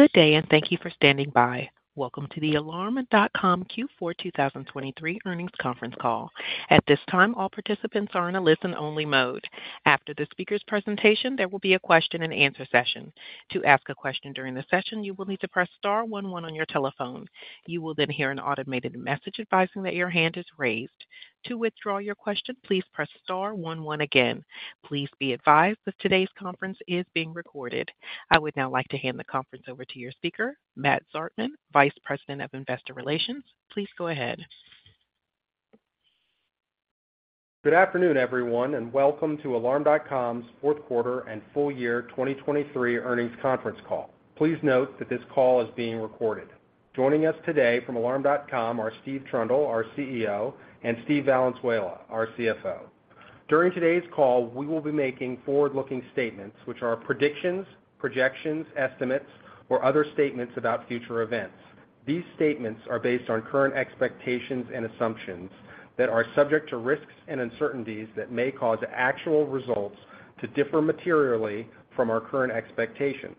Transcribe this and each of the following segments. Good day and thank you for standing by. Welcome to the Alarm.com Q4 2023 earnings conference call. At this time, all participants are in a listen-only mode. After the speaker's presentation, there will be a question-and-answer session. To ask a question during the session, you will need to press star one one on your telephone. You will then hear an automated message advising that your hand is raised. To withdraw your question, please press star one one again. Please be advised that today's conference is being recorded. I would now like to hand the conference over to your speaker, Matt Zartman, Vice President of Investor Relations. Please go ahead. Good afternoon, everyone, and welcome to Alarm.com's fourth quarter and full-year 2023 earnings conference call. Please note that this call is being recorded. Joining us today from Alarm.com are Steve Trundle, our CEO, and Steve Valenzuela, our CFO. During today's call, we will be making forward-looking statements, which are predictions, projections, estimates, or other statements about future events. These statements are based on current expectations and assumptions that are subject to risks and uncertainties that may cause actual results to differ materially from our current expectations.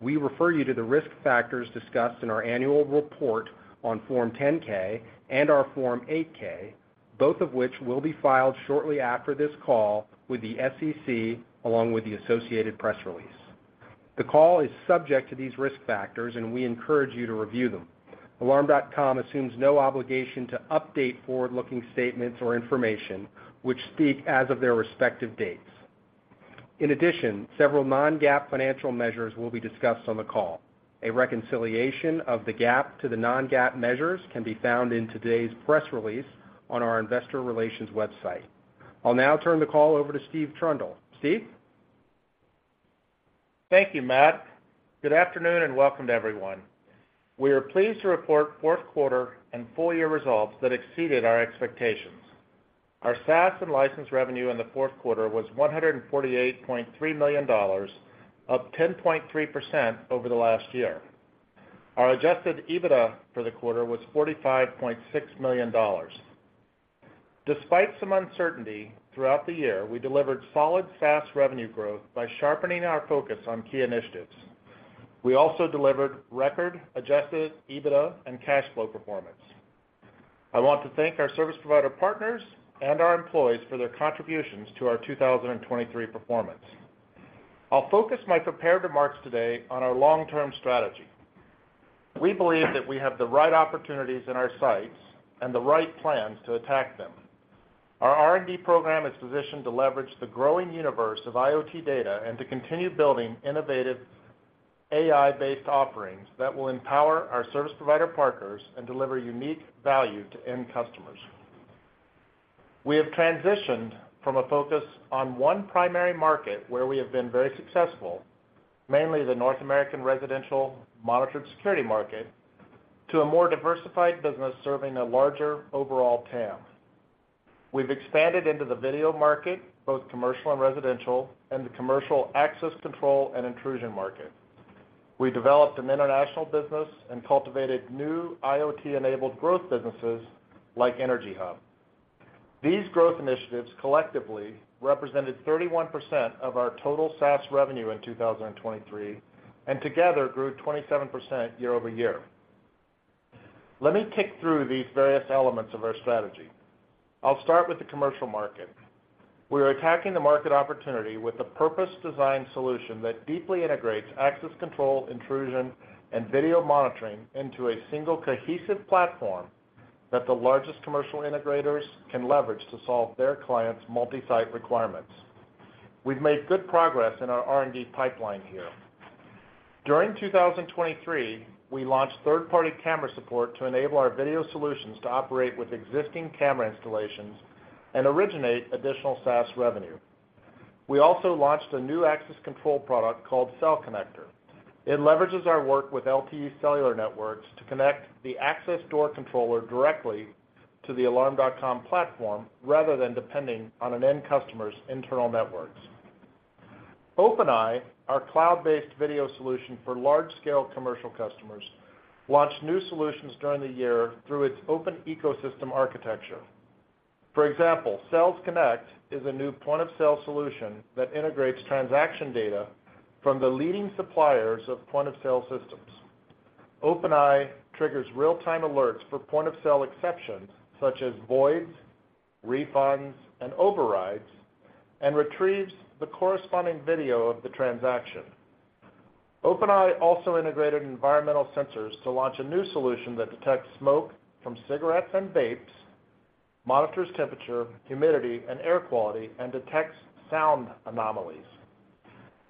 We refer you to the risk factors discussed in our annual report on Form 10-K and our Form 8-K, both of which will be filed shortly after this call with the SEC along with the associated press release. The call is subject to these risk factors, and we encourage you to review them. Alarm.com assumes no obligation to update forward-looking statements or information which speak as of their respective dates. In addition, several non-GAAP financial measures will be discussed on the call. A reconciliation of the GAAP to the non-GAAP measures can be found in today's press release on our Investor Relations website. I'll now turn the call over to Steve Trundle. Steve? Thank you, Matt. Good afternoon and welcome to everyone. We are pleased to report fourth quarter and full-year results that exceeded our expectations. Our SaaS and license revenue in the fourth quarter was $148.3 million, up 10.3% over the last year. Our adjusted EBITDA for the quarter was $45.6 million. Despite some uncertainty throughout the year, we delivered solid SaaS revenue growth by sharpening our focus on key initiatives. We also delivered record adjusted EBITDA and cash flow performance. I want to thank our service provider partners and our employees for their contributions to our 2023 performance. I'll focus my prepared remarks today on our long-term strategy. We believe that we have the right opportunities in our sights and the right plans to attack them. Our R&D program is positioned to leverage the growing universe of IoT data and to continue building innovative AI-based offerings that will empower our service provider partners and deliver unique value to end customers. We have transitioned from a focus on one primary market where we have been very successful, mainly the North American residential monitored security market, to a more diversified business serving a larger overall TAM. We've expanded into the video market, both commercial and residential, and the commercial access control and intrusion market. We developed an International business and cultivated new IoT-enabled growth businesses like EnergyHub. These growth initiatives collectively represented 31% of our total SaaS revenue in 2023 and together grew 27% year-over-year. Let me kick through these various elements of our strategy. I'll start with the commercial market. We are attacking the market opportunity with a purpose-designed solution that deeply integrates access control, intrusion, and video monitoring into a single cohesive platform that the largest commercial integrators can leverage to solve their clients' multi-site requirements. We've made good progress in our R&D pipeline here. During 2023, we launched third-party camera support to enable our video solutions to operate with existing camera installations and originate additional SaaS revenue. We also launched a new access control product called Cell Connector. It leverages our work with LTE cellular networks to connect the access door controller directly to the Alarm.com platform rather than depending on an end customer's internal networks. OpenEye, our cloud-based video solution for large-scale commercial customers, launched new solutions during the year through its open ecosystem architecture. For example, Sales Connect is a new point-of-sale solution that integrates transaction data from the leading suppliers of point-of-sale systems. OpenEye triggers real-time alerts for point-of-sale exceptions such as voids, refunds, and overrides, and retrieves the corresponding video of the transaction. OpenEye also integrated environmental sensors to launch a new solution that detects smoke from cigarettes and vapes, monitors temperature, humidity, and air quality, and detects sound anomalies.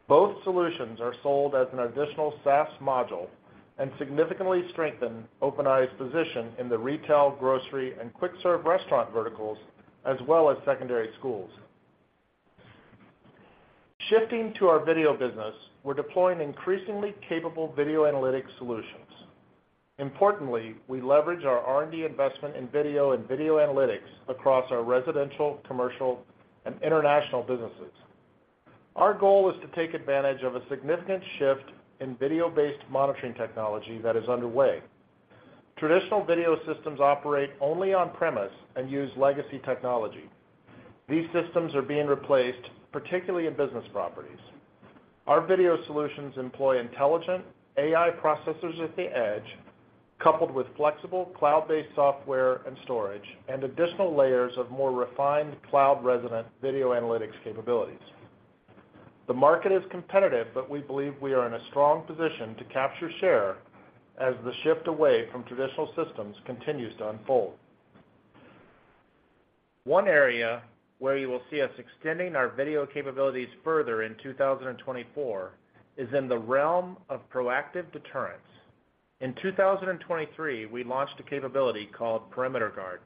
Both solutions are sold as an additional SaaS module and significantly strengthen OpenEye's position in the retail, grocery, and quick-serve restaurant verticals as well as secondary schools. Shifting to our Video business, we're deploying increasingly capable video analytics solutions. Importantly, we leverage our R&D investment in video and video analytics across our Residential, Commercial, and International businesses. Our goal is to take advantage of a significant shift in video-based monitoring technology that is underway. Traditional video systems operate only on-premise and use legacy technology. These systems are being replaced, particularly in business properties. Our video solutions employ intelligent AI processors at the edge, coupled with flexible cloud-based software and storage, and additional layers of more refined cloud-resident video analytics capabilities. The market is competitive, but we believe we are in a strong position to capture share as the shift away from traditional systems continues to unfold. One area where you will see us extending our video capabilities further in 2024 is in the realm of proactive deterrence. In 2023, we launched a capability called Perimeter Guard.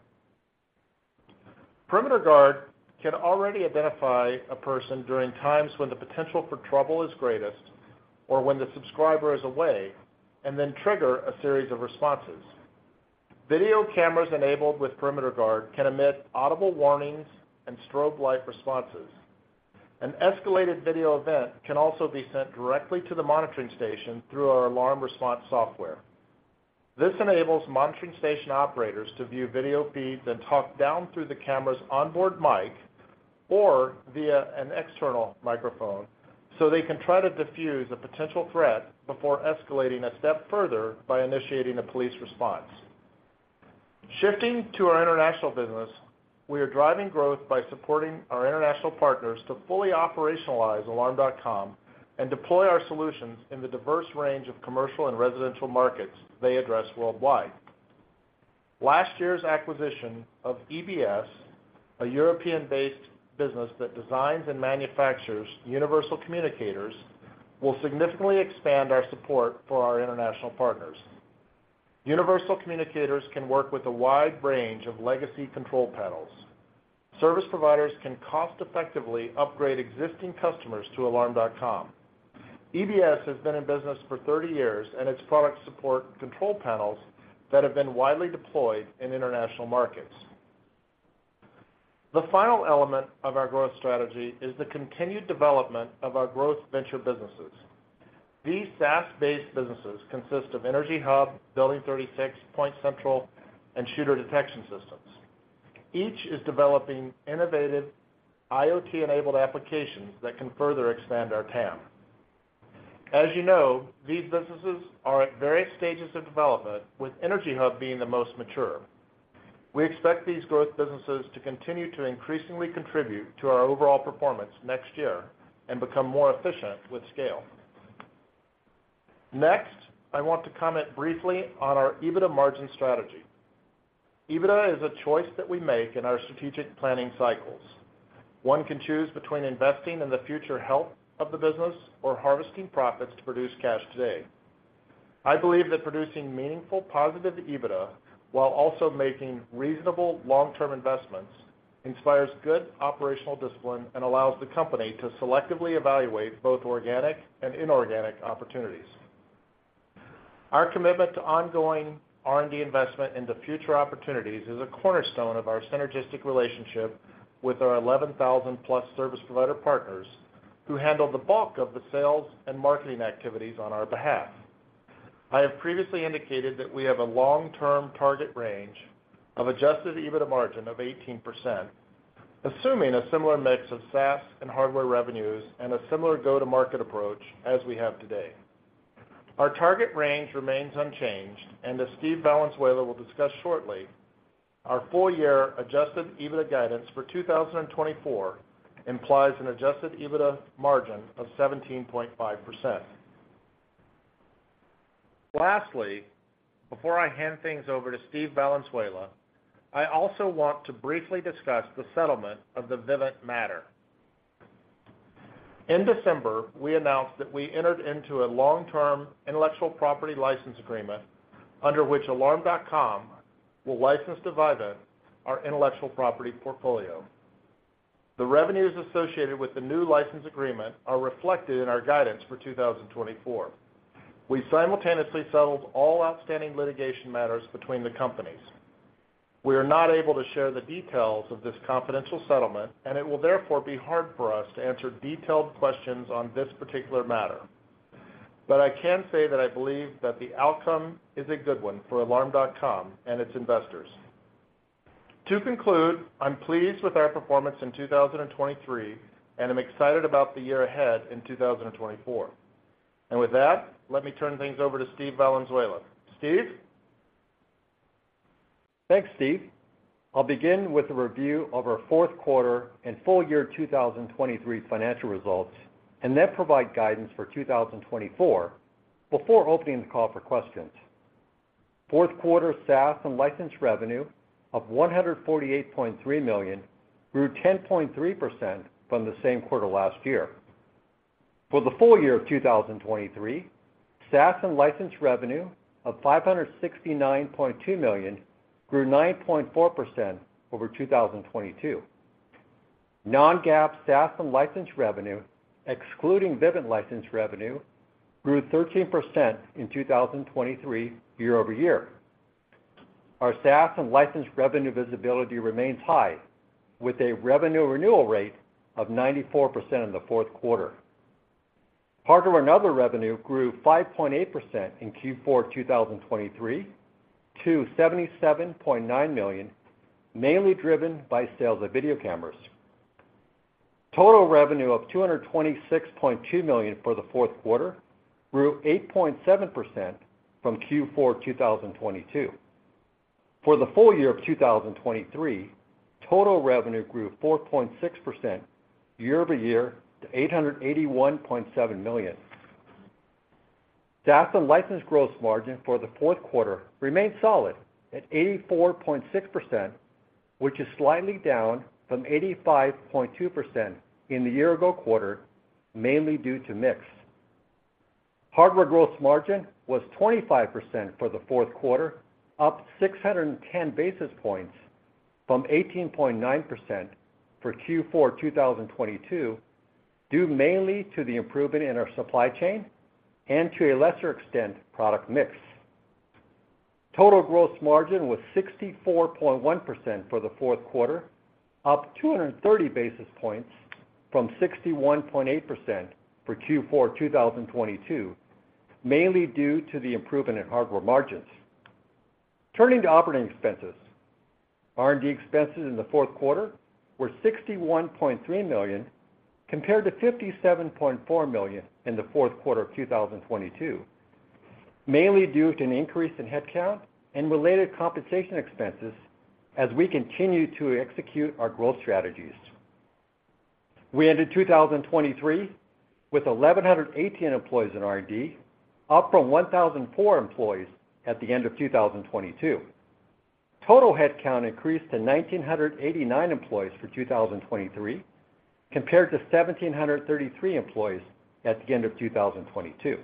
Perimeter Guard can already identify a person during times when the potential for trouble is greatest or when the subscriber is away and then trigger a series of responses. Video cameras enabled with Perimeter Guard can emit audible warnings and strobe light responses. An escalated video event can also be sent directly to the monitoring station through our alarm response software. This enables monitoring station operators to view video feeds and talk down through the camera's onboard mic or via an external microphone so they can try to diffuse a potential threat before escalating a step further by initiating a police response. Shifting to our International business, we are driving growth by supporting our international partners to fully operationalize Alarm.com and deploy our solutions in the diverse range of commercial and residential markets they address worldwide. Last year's acquisition of EBS, a European-based business that designs and manufactures universal communicators, will significantly expand our support for our international partners. Universal communicators can work with a wide range of legacy control panels. Service providers can cost-effectively upgrade existing customers to Alarm.com. EBS has been in business for 30 years, and its products support control panels that have been widely deployed in international markets. The final element of our growth strategy is the continued development of our growth venture businesses. These SaaS-based businesses consist of EnergyHub, Building 36, PointCentral, and Shooter Detection Systems. Each is developing innovative IoT-enabled applications that can further expand our TAM. As you know, these businesses are at various stages of development, with EnergyHub being the most mature. We expect these growth businesses to continue to increasingly contribute to our overall performance next year and become more efficient with scale. Next, I want to comment briefly on our EBITDA margin strategy. EBITDA is a choice that we make in our strategic planning cycles. One can choose between investing in the future health of the business or harvesting profits to produce cash today. I believe that producing meaningful, positive EBITDA while also making reasonable long-term investments inspires good operational discipline and allows the company to selectively evaluate both organic and inorganic opportunities. Our commitment to ongoing R&D investment into future opportunities is a cornerstone of our synergistic relationship with our 11,000+ service provider partners who handle the bulk of the sales and marketing activities on our behalf. I have previously indicated that we have a long-term target range of adjusted EBITDA margin of 18%, assuming a similar mix of SaaS and hardware revenues and a similar go-to-market approach as we have today. Our target range remains unchanged, and as Steve Valenzuela will discuss shortly, our full-year adjusted EBITDA guidance for 2024 implies an adjusted EBITDA margin of 17.5%. Lastly, before I hand things over to Steve Valenzuela, I also want to briefly discuss the settlement of the Vivint matter. In December, we announced that we entered into a long-term intellectual property license agreement under which Alarm.com will license to Vivint our intellectual property portfolio. The revenues associated with the new license agreement are reflected in our guidance for 2024. We simultaneously settled all outstanding litigation matters between the companies. We are not able to share the details of this confidential settlement, and it will therefore be hard for us to answer detailed questions on this particular matter. But I can say that I believe that the outcome is a good one for Alarm.com and its investors. To conclude, I'm pleased with our performance in 2023 and am excited about the year ahead in 2024. And with that, let me turn things over to Steve Valenzuela. Steve? Thanks, Steve. I'll begin with a review of our fourth quarter and full-year 2023 financial results and then provide guidance for 2024 before opening the call for questions. Fourth quarter SaaS and license revenue of $148.3 million grew 10.3% from the same quarter last year. For the full year of 2023, SaaS and license revenue of $569.2 million grew 9.4% over 2022. Non-GAAP SaaS and license revenue, excluding Vivint license revenue, grew 13% in 2023 year-over-year. Our SaaS and license revenue visibility remains high, with a revenue renewal rate of 94% in the fourth quarter. Hardware and other revenue grew 5.8% in Q4 2023 to $77.9 million, mainly driven by sales of video cameras. Total revenue of $226.2 million for the fourth quarter grew 8.7% from Q4 2022. For the full year of 2023, total revenue grew 4.6% year-over-year to $881.7 million. SaaS and license gross margin for the fourth quarter remained solid at 84.6%, which is slightly down from 85.2% in the year-ago quarter, mainly due to mix. Hardware gross margin was 25% for the fourth quarter, up 610 basis points from 18.9% for Q4 2022, due mainly to the improvement in our supply chain and to a lesser extent product mix. Total gross margin was 64.1% for the fourth quarter, up 230 basis points from 61.8% for Q4 2022, mainly due to the improvement in hardware margins. Turning to operating expenses, R&D expenses in the fourth quarter were $61.3 million compared to $57.4 million in the fourth quarter of 2022, mainly due to an increase in headcount and related compensation expenses as we continue to execute our growth strategies. We ended 2023 with 1,118 employees in R&D, up from 1,004 employees at the end of 2022. Total headcount increased to 1,989 employees for 2023 compared to 1,733 employees at the end of 2022.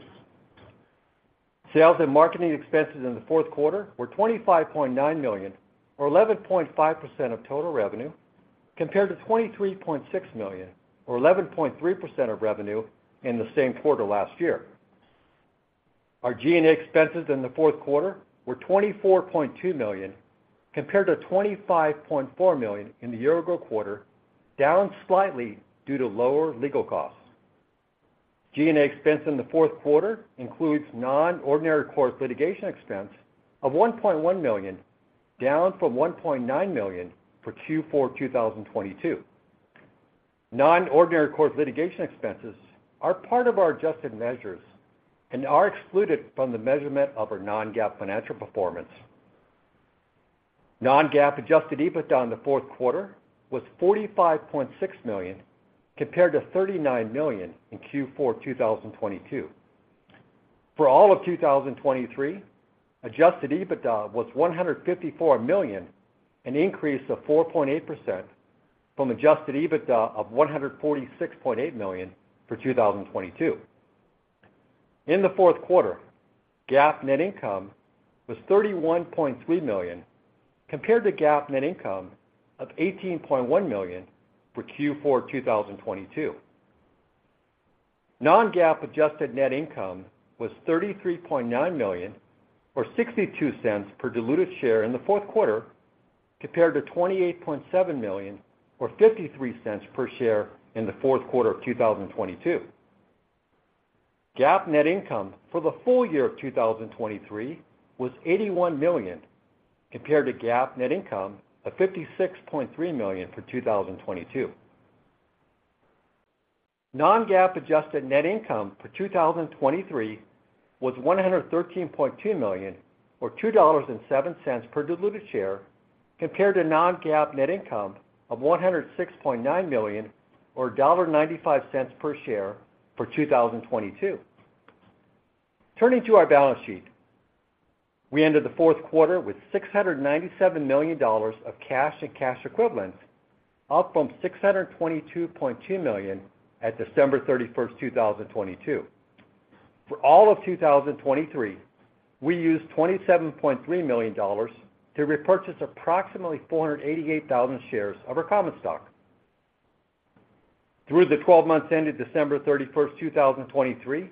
Sales and marketing expenses in the fourth quarter were $25.9 million, or 11.5% of total revenue, compared to $23.6 million, or 11.3% of revenue in the same quarter last year. Our G&A expenses in the fourth quarter were $24.2 million compared to $25.4 million in the year-ago quarter, down slightly due to lower legal costs. G&A expense in the fourth quarter includes non-ordinary court litigation expense of $1.1 million, down from $1.9 million for Q4 2022. Non-ordinary court litigation expenses are part of our adjusted measures and are excluded from the measurement of our non-GAAP financial performance. Non-GAAP adjusted EBITDA in the fourth quarter was $45.6 million compared to $39 million in Q4 2022. For all of 2023, adjusted EBITDA was $154 million, an increase of 4.8% from adjusted EBITDA of $146.8 million for 2022. In the fourth quarter, GAAP net income was $31.3 million compared to GAAP net income of $18.1 million for Q4 2022. Non-GAAP adjusted net income was $33.9 million, or $0.62 per diluted share in the fourth quarter, compared to $28.7 million, or $0.53 per share in the fourth quarter of 2022. GAAP net income for the full year of 2023 was $81 million compared to GAAP net income of $56.3 million for 2022. Non-GAAP adjusted net income for 2023 was $113.2 million, or $2.07 per diluted share, compared to non-GAAP net income of $106.9 million, or $1.95 per share for 2022. Turning to our balance sheet, we ended the fourth quarter with $697 million of cash and cash equivalents, up from $622.2 million at December 31st, 2022. For all of 2023, we used $27.3 million to repurchase approximately 488,000 shares of our common stock. Through the 12 months ended December 31st, 2023,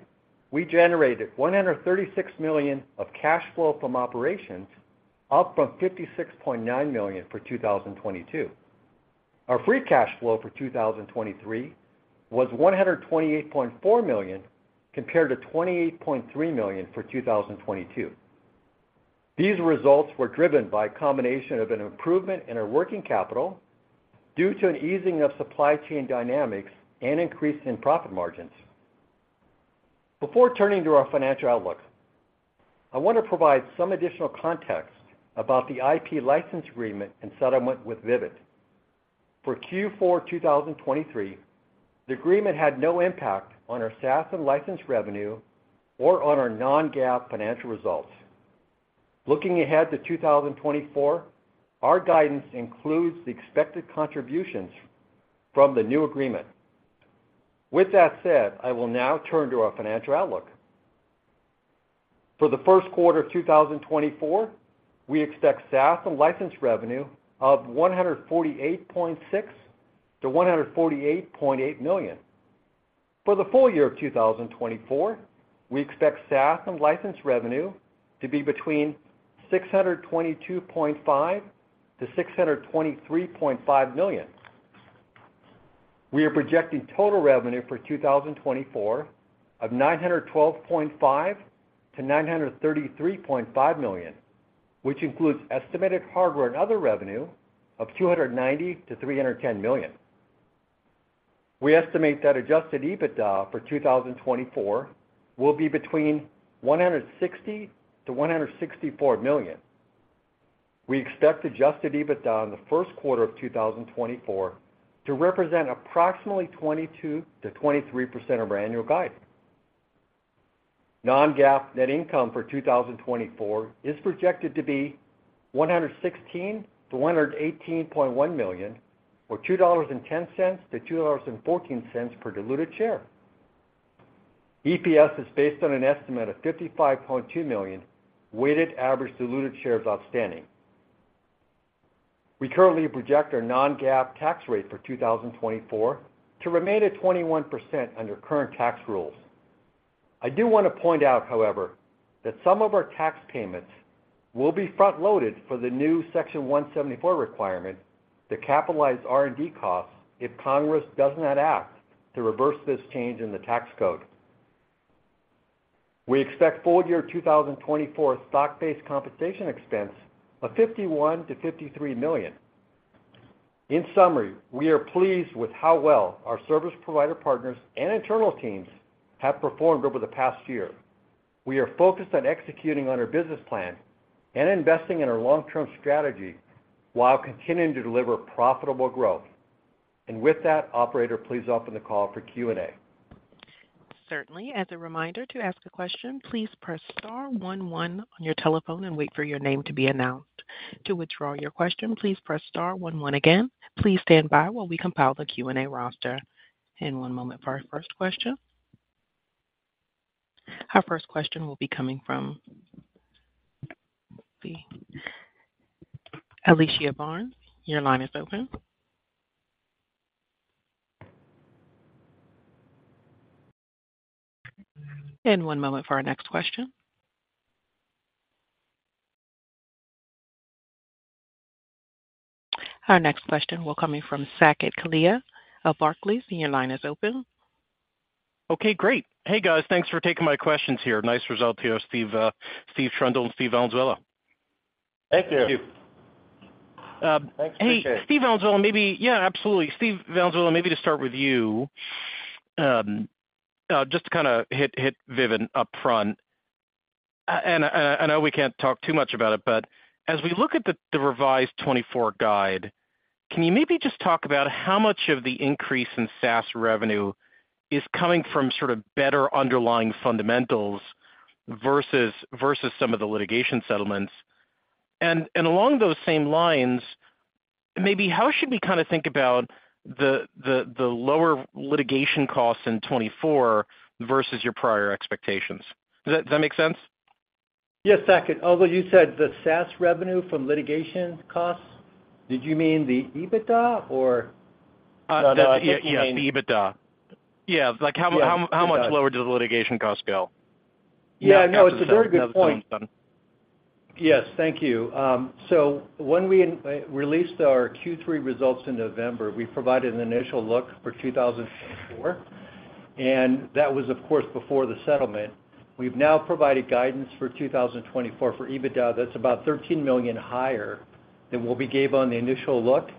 we generated $136 million of cash flow from operations, up from $56.9 million for 2022. Our free cash flow for 2023 was $128.4 million compared to $28.3 million for 2022. These results were driven by a combination of an improvement in our working capital due to an easing of supply chain dynamics and increase in profit margins. Before turning to our financial outlooks, I want to provide some additional context about the IP license agreement and settlement with Vivint. For Q4 2023, the agreement had no impact on our SaaS and license revenue or on our non-GAAP financial results. Looking ahead to 2024, our guidance includes the expected contributions from the new agreement. With that said, I will now turn to our financial outlook. For the first quarter of 2024, we expect SaaS and license revenue of $148.6 million-$148.8 million. For the full year of 2024, we expect SaaS and license revenue to be between $622.5 million-$623.5 million. We are projecting total revenue for 2024 of $912.5 million-$933.5 million, which includes estimated hardware and other revenue of $290 million-$310 million. We estimate that adjusted EBITDA for 2024 will be between $160 million-$164 million. We expect adjusted EBITDA in the first quarter of 2024 to represent approximately 22%-23% of our annual guide. non-GAAP net income for 2024 is projected to be $116 million-$118.1 million, or $2.10-$2.14 per diluted share. EPS is based on an estimate of $55.2 million weighted average diluted shares outstanding. We currently project our non-GAAP tax rate for 2024 to remain at 21% under current tax rules. I do want to point out, however, that some of our tax payments will be front-loaded for the new Section 174 requirement to capitalize R&D costs if Congress does not act to reverse this change in the tax code. We expect full-year 2024 stock-based compensation expense of $51 million-$53 million. In summary, we are pleased with how well our service provider partners and internal teams have performed over the past year. We are focused on executing on our business plan and investing in our long-term strategy while continuing to deliver profitable growth. And with that, operator, please open the call for Q&A. Certainly. As a reminder, to ask a question, please press star one one on your telephone and wait for your name to be announced. To withdraw your question, please press star one one again. Please stand by while we compile the Q&A roster. One moment for our first question. Our first question will be coming from Alicia Barnes. Your line is open. One moment for our next question. Our next question will come in from Saket Kalia of Barclays. And your line is open. Okay, great. Hey, guys. Thanks for taking my questions here. Nice result here, Steve Trundle and Steve Valenzuela. Thank you. Thank you. Thanks. Appreciate it. Hey, Steve Valenzuela, maybe yeah, absolutely. Steve Valenzuela, maybe to start with you, just to kind of hit Vivint upfront. And I know we can't talk too much about it, but as we look at the revised 2024 guide, can you maybe just talk about how much of the increase in SaaS revenue is coming from sort of better underlying fundamentals versus some of the litigation settlements? And along those same lines, maybe how should we kind of think about the lower litigation costs in 2024 versus your prior expectations? Does that make sense? Yes, Saket. Although you said the SaaS revenue from litigation costs, did you mean the EBITDA, or? No, no. Yeah, the EBITDA. Yeah. How much lower do the litigation costs go? Yeah, no, it's a very good point. Yes, thank you. So when we released our Q3 results in November, we provided an initial look for 2024. And that was, of course, before the settlement. We've now provided guidance for 2024 for EBITDA that's about $13 million higher than what we gave on the initial look.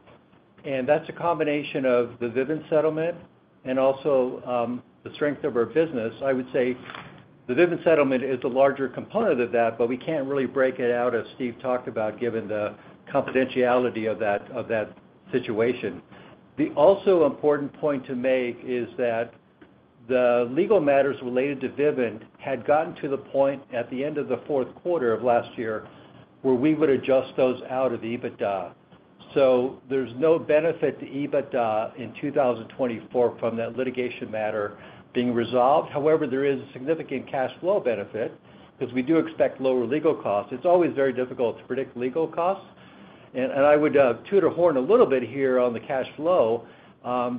And that's a combination of the Vivint settlement and also the strength of our business. I would say the Vivint settlement is a larger component of that, but we can't really break it out, as Steve talked about, given the confidentiality of that situation. Another important point to make is that the legal matters related to Vivint had gotten to the point at the end of the fourth quarter of last year where we would adjust those out of the EBITDA. So there's no benefit to EBITDA in 2024 from that litigation matter being resolved. However, there is a significant cash flow benefit because we do expect lower legal costs. It's always very difficult to predict legal costs. And I would toot a horn a little bit here on the cash flow.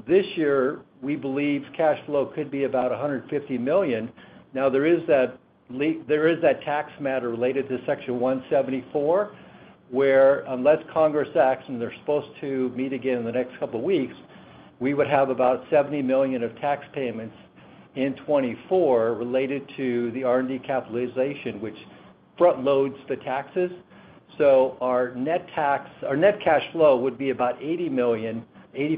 This year, we believe cash flow could be about $150 million. Now, there is that tax matter related to Section 174 where, unless Congress acts and they're supposed to meet again in the next couple of weeks, we would have about $70 million of tax payments in 2024 related to the R&D capitalization, which front-loads the taxes. So our net cash flow would be about $85 million in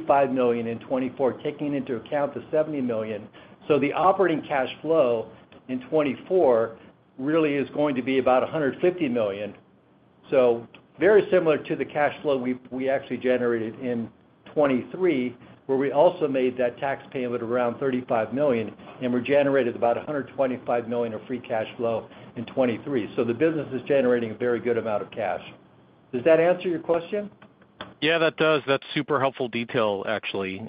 2024, taking into account the $70 million. So the operating cash flow in 2024 really is going to be about $150 million. So very similar to the cash flow we actually generated in 2023, where we also made that tax payment around $35 million, and we generated about $125 million of free cash flow in 2023. So the business is generating a very good amount of cash. Does that answer your question? Yeah, that does. That's super helpful detail, actually.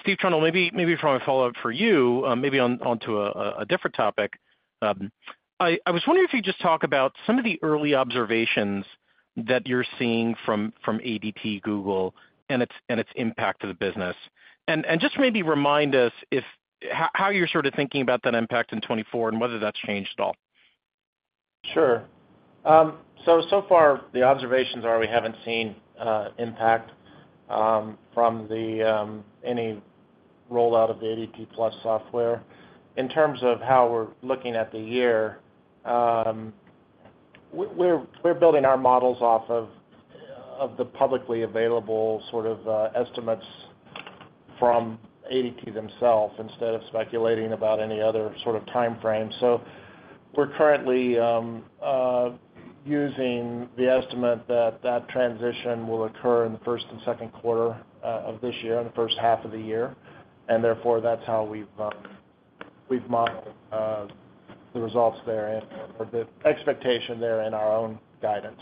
Steve Trundle, maybe if I want to follow up for you, maybe onto a different topic. I was wondering if you could just talk about some of the early observations that you're seeing from ADT, Google, and its impact to the business. And just maybe remind us how you're sort of thinking about that impact in 2024 and whether that's changed at all. Sure. So far, the observations are we haven't seen impact from any rollout of the ADT+ software. In terms of how we're looking at the year, we're building our models off of the publicly available sort of estimates from ADT themselves instead of speculating about any other sort of time frame. So we're currently using the estimate that that transition will occur in the first and second quarter of this year, in the first half of the year. And therefore, that's how we've modeled the results there or the expectation there in our own guidance.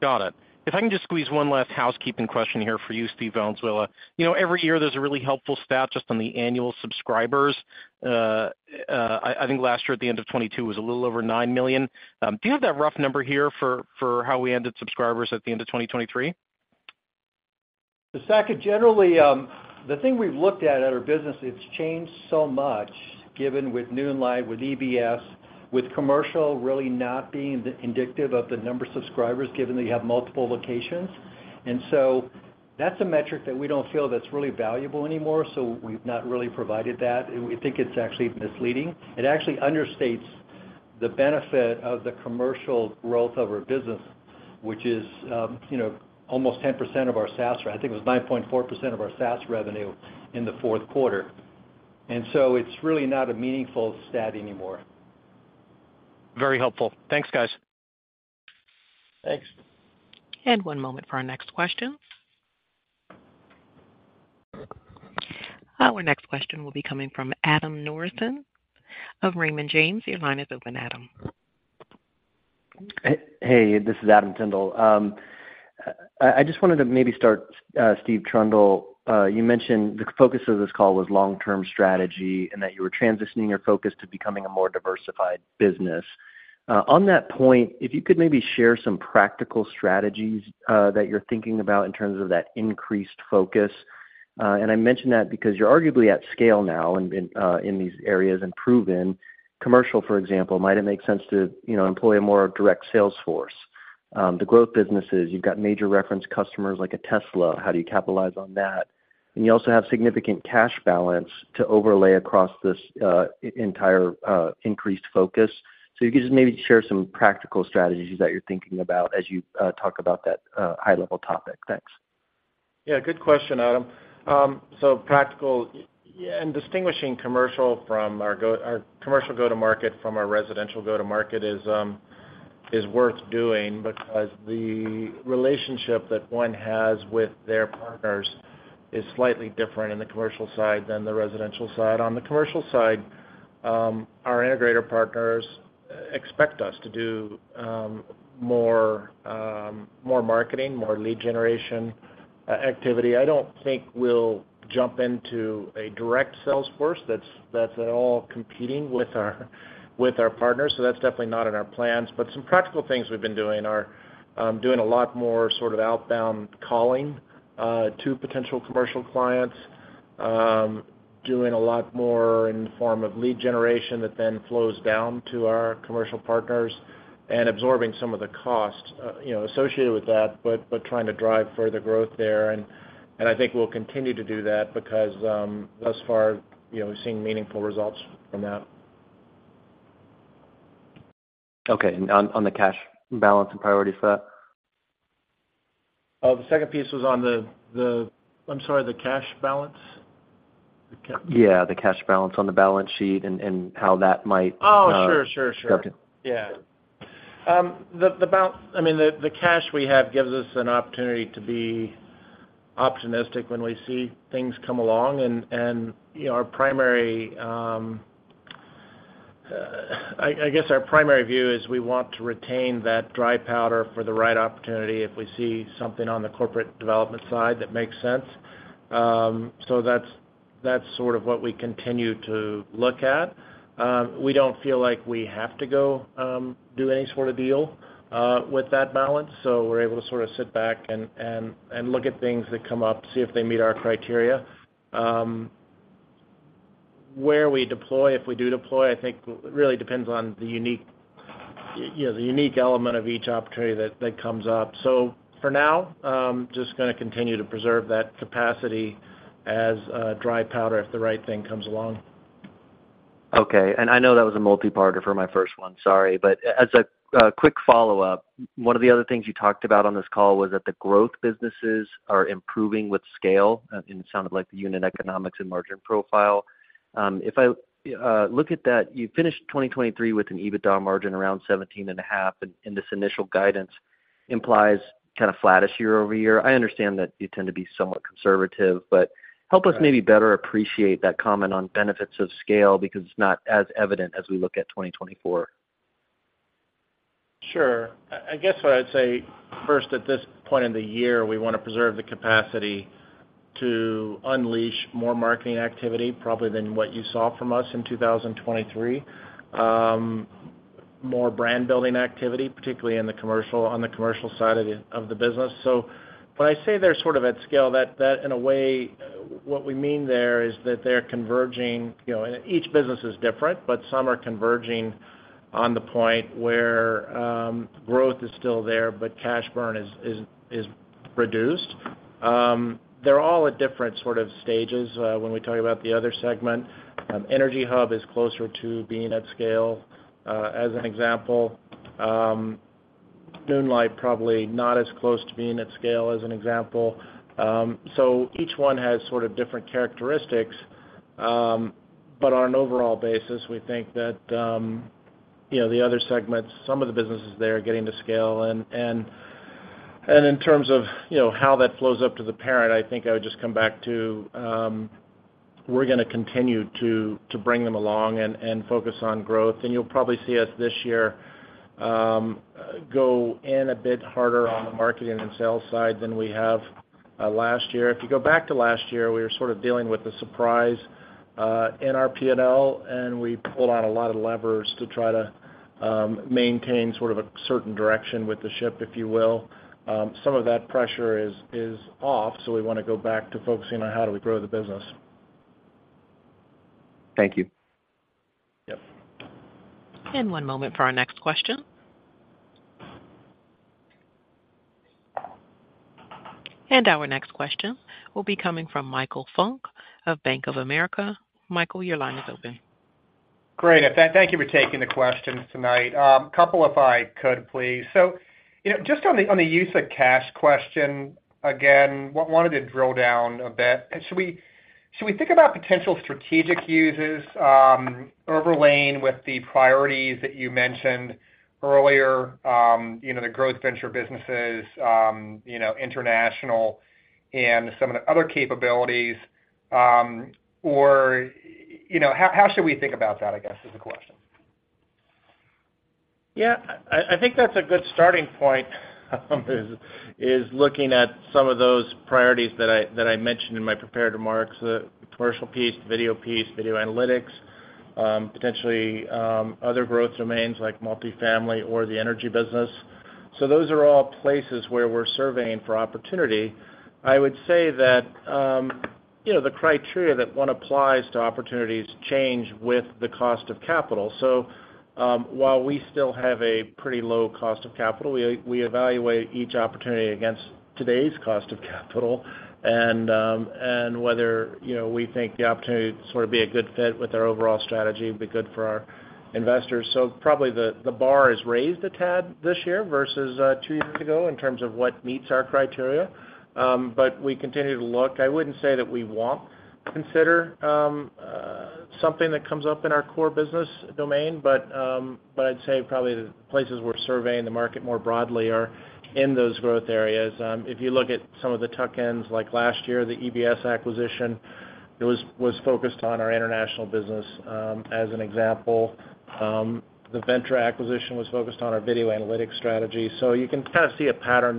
Got it. If I can just squeeze one last housekeeping question here for you, Steve Valenzuela. Every year, there's a really helpful stat just on the annual subscribers. I think last year, at the end of 2022, it was a little over 9 million. Do you have that rough number here for how we ended subscribers at the end of 2023? Saket, generally, the thing we've looked at at our business, it's changed so much given with Noonlight, with EBS, with commercial really not being indicative of the number of subscribers given that you have multiple locations. And so that's a metric that we don't feel that's really valuable anymore. So we've not really provided that. We think it's actually misleading. It actually understates the benefit of the commercial growth of our business, which is almost 10% of our SaaS, I think it was 9.4% of our SaaS revenue in the fourth quarter. And so it's really not a meaningful stat anymore. Very helpful. Thanks, guys. Thanks. And one moment for our next question. Our next question will be coming from Adam Norton of Raymond James. Your line is open, Adam. Hey, this is Adam Tindle. I just wanted to maybe start, Steve Trundle. You mentioned the focus of this call was long-term strategy and that you were transitioning your focus to becoming a more diversified business. On that point, if you could maybe share some practical strategies that you're thinking about in terms of that increased focus. And I mentioned that because you're arguably at scale now in these areas and proven. Commercial, for example, might it make sense to employ a more direct sales force? The growth businesses, you've got major reference customers like Tesla. How do you capitalize on that? And you also have significant cash balance to overlay across this entire increased focus. So if you could just maybe share some practical strategies that you're thinking about as you talk about that high-level topic. Thanks. Yeah, good question, Adam. So practical and distinguishing commercial go-to-market from our residential go-to-market is worth doing because the relationship that one has with their partners is slightly different in the commercial side than the residential side. On the commercial side, our integrator partners expect us to do more marketing, more lead generation activity. I don't think we'll jump into a direct sales force that's at all competing with our partners. So that's definitely not in our plans. But some practical things we've been doing are doing a lot more sort of outbound calling to potential commercial clients, doing a lot more in the form of lead generation that then flows down to our commercial partners and absorbing some of the cost associated with that, but trying to drive further growth there. And I think we'll continue to do that because thus far, we're seeing meaningful results from that. Okay. And on the cash balance and priorities for that? The second piece was on the—I'm sorry, the cash balance? Yeah, the cash balance on the balance sheet and how that might help you. Oh, sure, sure, sure. Yeah. I mean, the cash we have gives us an opportunity to be optimistic when we see things come along. I guess our primary view is we want to retain that dry powder for the right opportunity if we see something on the corporate development side that makes sense. So that's sort of what we continue to look at. We don't feel like we have to go do any sort of deal with that balance. So we're able to sort of sit back and look at things that come up, see if they meet our criteria. Where we deploy, if we do deploy, I think really depends on the unique element of each opportunity that comes up. So for now, just going to continue to preserve that capacity as dry powder if the right thing comes along. Okay. And I know that was a multi-parter for my first one. Sorry. But as a quick follow-up, one of the other things you talked about on this call was that the growth businesses are improving with scale. And it sounded like the unit economics and margin profile. If I look at that, you finished 2023 with an EBITDA margin around 17.5%. And this initial guidance implies kind of flattish year-over-year. I understand that you tend to be somewhat conservative. But help us maybe better appreciate that comment on benefits of scale because it's not as evident as we look at 2024. Sure. I guess what I'd say first, at this point in the year, we want to preserve the capacity to unleash more marketing activity probably than what you saw from us in 2023, more brand-building activity, particularly on the commercial side of the business. So when I say they're sort of at scale, that, in a way, what we mean there is that they're converging and each business is different, but some are converging on the point where growth is still there, but cash burn is reduced. They're all at different sort of stages when we talk about the other segment. EnergyHub is closer to being at scale, as an example. Noonlight, probably not as close to being at scale, as an example. So each one has sort of different characteristics. But on an overall basis, we think that the other segments, some of the businesses there are getting to scale. And in terms of how that flows up to the parent, I think I would just come back to we're going to continue to bring them along and focus on growth. And you'll probably see us this year go in a bit harder on the marketing and sales side than we have last year. If you go back to last year, we were sort of dealing with the surprise in our P&L. And we pulled on a lot of levers to try to maintain sort of a certain direction with the ship, if you will. Some of that pressure is off. So we want to go back to focusing on how do we grow the business. Thank you. Yep. And one moment for our next question. And our next question will be coming from Michael Funk of Bank of America. Michael, your line is open. Great. Thank you for taking the question tonight. A couple if I could, please. So just on the use of cash question, again, wanted to drill down a bit. Should we think about potential strategic uses overlaying with the priorities that you mentioned earlier, the growth venture businesses, international, and some of the other capabilities? Or how should we think about that, I guess, is the question? Yeah. I think that's a good starting point is looking at some of those priorities that I mentioned in my prepared remarks, the commercial piece, the video piece, video analytics, potentially other growth domains like multifamily or the energy business. So those are all places where we're surveying for opportunity. I would say that the criteria that one applies to opportunities change with the cost of capital. So while we still have a pretty low cost of capital, we evaluate each opportunity against today's cost of capital and whether we think the opportunity would sort of be a good fit with our overall strategy, be good for our investors. So probably the bar is raised a tad this year versus two years ago in terms of what meets our criteria. But we continue to look. I wouldn't say that we won't consider something that comes up in our core business domain. But I'd say probably the places we're surveying the market more broadly are in those growth areas. If you look at some of the tuck-ins like last year, the EBS acquisition was focused on our International business as an example. The venture acquisition was focused on our video analytics strategy. So you can kind of see a pattern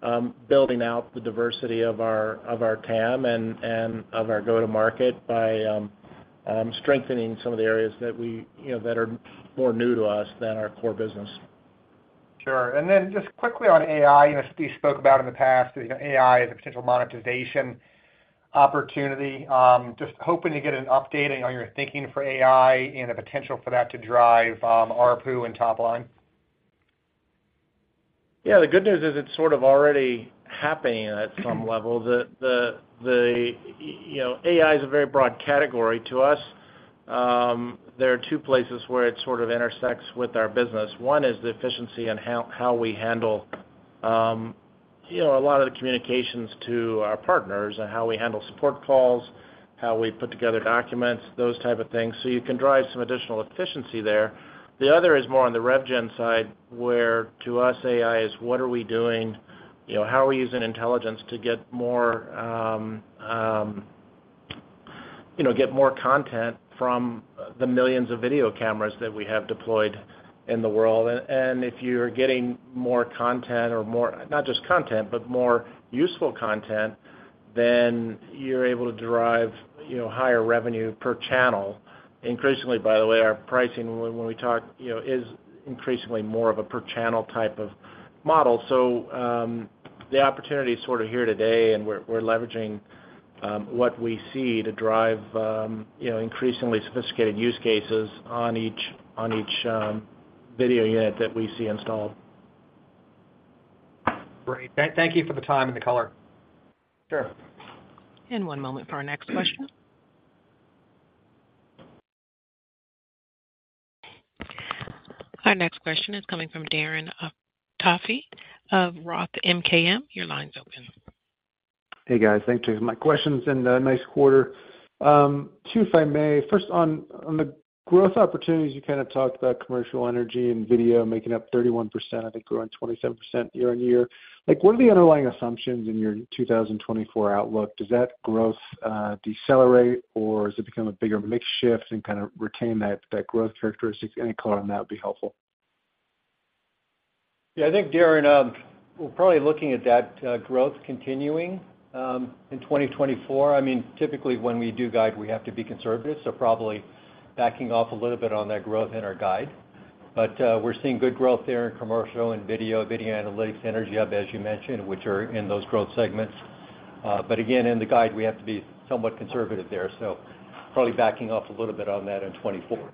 there of us building out the diversity of our TAM and of our go-to-market by strengthening some of the areas that are more new to us than our core business. Sure. And then just quickly on AI. Steve spoke about in the past that AI is a potential monetization opportunity. Just hoping to get an update on your thinking for AI and the potential for that to drive ARPU and top line. Yeah. The good news is it's sort of already happening at some level. AI is a very broad category to us. There are two places where it sort of intersects with our business. One is the efficiency in how we handle a lot of the communications to our partners and how we handle support calls, how we put together documents, those type of things. So you can drive some additional efficiency there. The other is more on the revgen side where, to us, AI is what are we doing? How are we using intelligence to get more content from the millions of video cameras that we have deployed in the world? And if you're getting more content or more not just content, but more useful content, then you're able to drive higher revenue per channel. Increasingly, by the way, our pricing when we talk is increasingly more of a per-channel type of model. So the opportunity is sort of here today. And we're leveraging what we see to drive increasingly sophisticated use cases on each video unit that we see installed. Great. Thank you for the time and the color. Sure. And one moment for our next question. Our next question is coming from Darren Aftahi of Roth MKM. Your line's open. Hey, guys. Thanks for taking my questions in the nice quarter. Two, if I may. First, on the growth opportunities, you kind of talked about commercial energy and video making up 31%. I think growing 27% year-over-year. What are the underlying assumptions in your 2024 outlook? Does that growth decelerate, or does it become a bigger makeshift and kind of retain that growth characteristics? Any color on that would be helpful. Yeah. I think, Darren, we're probably looking at that growth continuing in 2024. I mean, typically, when we do guide, we have to be conservative. So probably backing off a little bit on that growth in our guide. But we're seeing good growth there in commercial and video, video analytics, EnergyHub, as you mentioned, which are in those growth segments. But again, in the guide, we have to be somewhat conservative there. So probably backing off a little bit on that in 2024.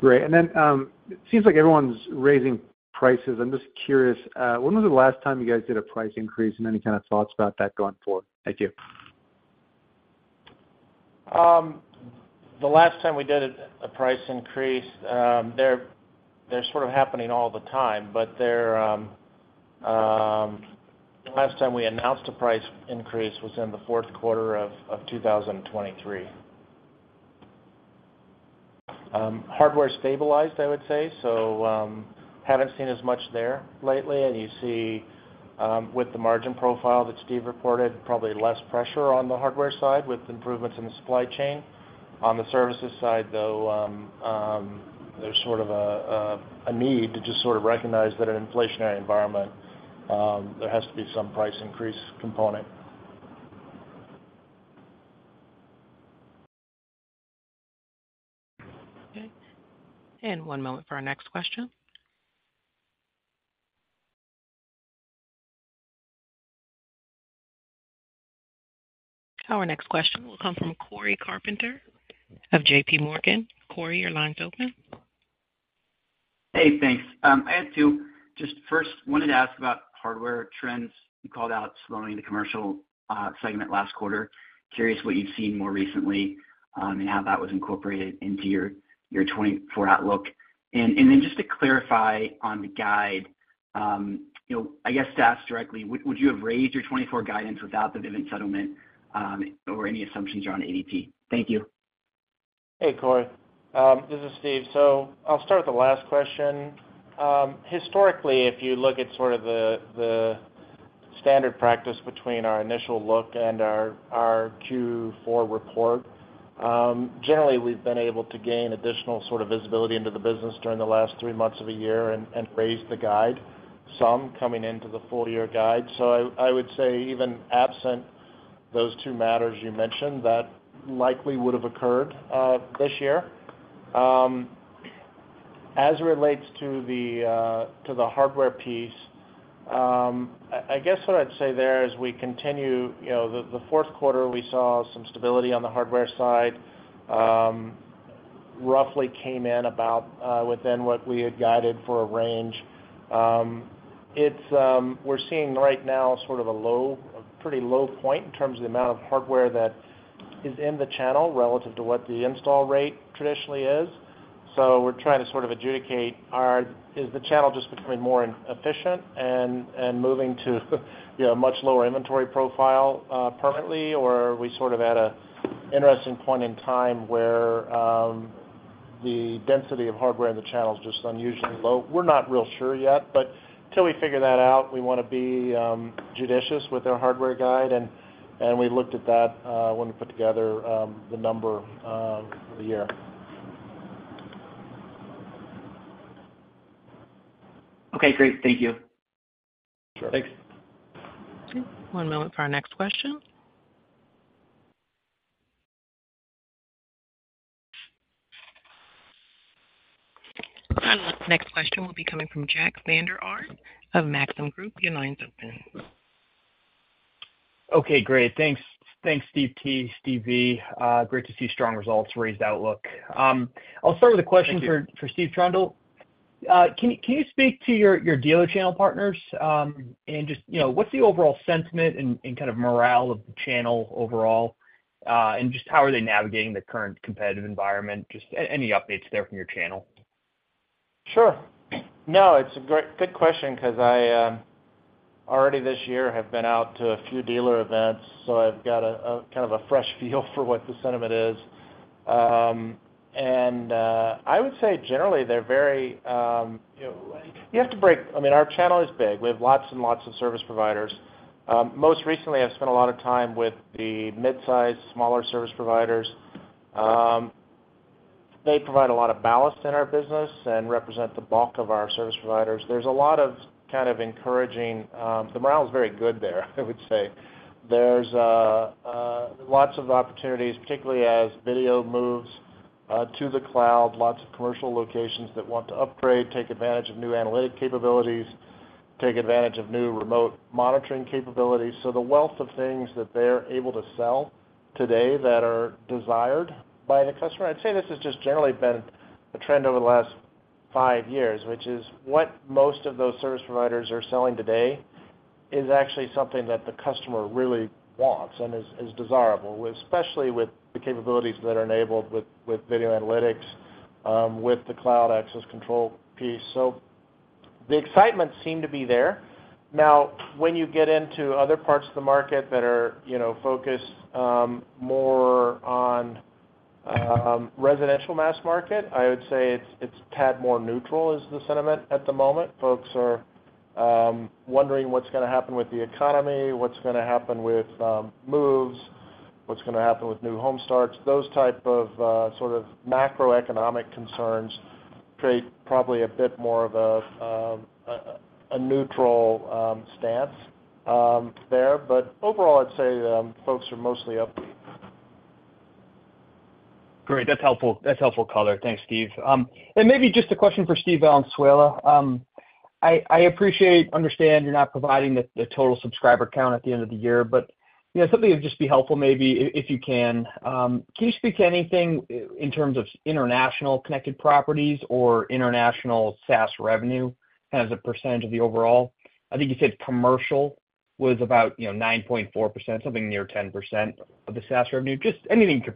Great. And then it seems like everyone's raising prices. I'm just curious, when was the last time you guys did a price increase? And any kind of thoughts about that going forward? Thank you. The last time we did a price increase, they're sort of happening all the time. But the last time we announced a price increase was in the fourth quarter of 2023. Hardware stabilized, I would say. So haven't seen as much there lately. And you see, with the margin profile that Steve reported, probably less pressure on the hardware side with improvements in the supply chain. On the services side, though, there's sort of a need to just sort of recognize that in an inflationary environment, there has to be some price increase component. Okay. And one moment for our next question. Our next question will come from Cory Carpenter of JPMorgan. Cory, your line's open. Hey. Thanks. I had two. Just first, wanted to ask about hardware trends. You called out slowing the commercial segment last quarter. Curious what you've seen more recently and how that was incorporated into your 2024 outlook? And then just to clarify on the guide, I guess to ask directly, would you have raised your 2024 guidance without the Vivint settlement or any assumptions around ADT? Thank you. Hey, Cory. This is Steve. So I'll start with the last question. Historically, if you look at sort of the standard practice between our initial look and our Q4 report, generally, we've been able to gain additional sort of visibility into the business during the last three months of a year and raise the guide, some coming into the full-year guide. So I would say even absent those two matters you mentioned, that likely would have occurred this year. As it relates to the hardware piece, I guess what I'd say there is we continue the fourth quarter, we saw some stability on the hardware side, roughly came in within what we had guided for a range. We're seeing right now sort of a pretty low point in terms of the amount of hardware that is in the channel relative to what the install rate traditionally is. So we're trying to sort of adjudicate, is the channel just becoming more efficient and moving to a much lower inventory profile permanently? Or are we sort of at an interesting point in time where the density of hardware in the channel is just unusually low? We're not real sure yet. But till we figure that out, we want to be judicious with our hardware guide. And we looked at that when we put together the number for the year. Okay. Great. Thank you. Sure. Thanks. Okay. One moment for our next question. Our next question will be coming from Jack Vander Aarde of Maxim Group. Your line's open. Okay. Great. Thanks, Steve T. Steve V. Great to see strong results, raised outlook. I'll start with a question for Steve Trundle. Can you speak to your dealer channel partners? And just what's the overall sentiment and kind of morale of the channel overall? And just how are they navigating the current competitive environment? Just any updates there from your channel. Sure. No. It's a good question because I already this year have been out to a few dealer events. So I've got kind of a fresh feel for what the sentiment is. And I would say, generally, they're very. You have to break—I mean, our channel is big. We have lots and lots of service providers. Most recently, I've spent a lot of time with the midsize, smaller service providers. They provide a lot of ballast in our business and represent the bulk of our service providers. There's a lot of kind of encouraging. The morale is very good there, I would say. There's lots of opportunities, particularly as video moves to the cloud, lots of commercial locations that want to upgrade, take advantage of new analytic capabilities, take advantage of new remote monitoring capabilities. So the wealth of things that they're able to sell today that are desired by the customer. I'd say this has just generally been a trend over the last five years, which is what most of those service providers are selling today is actually something that the customer really wants and is desirable, especially with the capabilities that are enabled with video analytics, with the cloud access control piece. So the excitement seemed to be there. Now, when you get into other parts of the market that are focused more on residential mass market, I would say it's a tad more neutral is the sentiment at the moment. Folks are wondering what's going to happen with the economy, what's going to happen with moves, what's going to happen with new home starts. Those type of sort of macroeconomic concerns create probably a bit more of a neutral stance there. But overall, I'd say folks are mostly upbeat. Great. That's helpful color. Thanks, Steve. And maybe just a question for Steve Valenzuela. I appreciate, understand, you're not providing the total subscriber count at the end of the year. But something would just be helpful, maybe, if you can. Can you speak to anything in terms of international connected properties or international SaaS revenue as a percentage of the overall? I think you said commercial was about 9.4%, something near 10% of the SaaS revenue. Just anything you could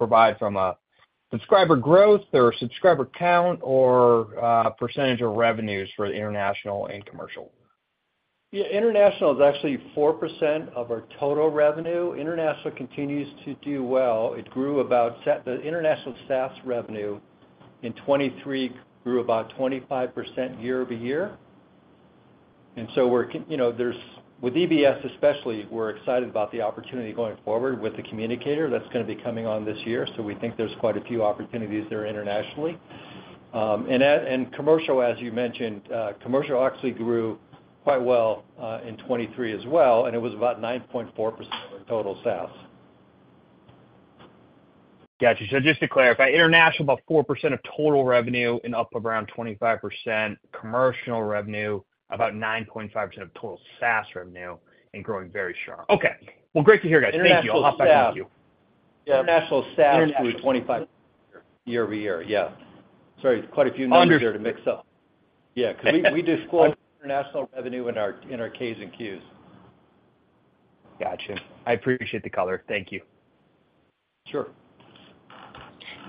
provide from subscriber growth or subscriber count or percentage of revenues for international and commercial. Yeah. International is actually 4% of our total revenue. International continues to do well. It grew about the international SaaS revenue in 2023 grew about 25% year-over-year. And so with EBS, especially, we're excited about the opportunity going forward with the communicator that's going to be coming on this year. So we think there's quite a few opportunities there internationally. And commercial, as you mentioned, commercial actually grew quite well in 2023 as well. And it was about 9.4% of our total SaaS. Gotcha. So just to clarify, international about 4% of total revenue and up around 25%, commercial revenue about 9.5% of total SaaS revenue and growing very strong. Okay. Well, great to hear, guys. Thank you. I'll hop back and thank you. International SaaS grew 25% year-over-year. Yeah. Sorry, quite a few numbers there to mix up. Yeah. Because we disclose international revenue in our K's and Q's. Gotcha. I appreciate the color. Thank you. Sure.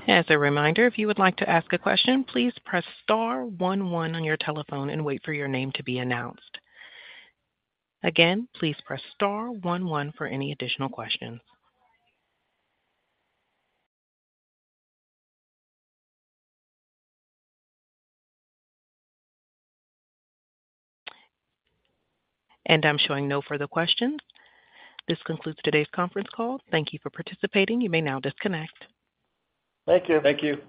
As a reminder, if you would like to ask a question, please press star one one on your telephone and wait for your name to be announced. Again, please press star one one for any additional questions. And I'm showing no further questions. This concludes today's conference call. Thank you for participating. You may now disconnect. Thank you. Thank you.